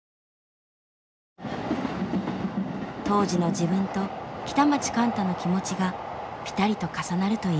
当時の自分と北町貫多の気持ちがぴたりと重なるといいます。